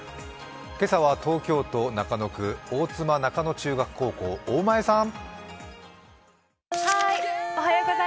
今朝は東京都中野区大妻中野中学高校、大前さん。